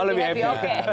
oh lebih happy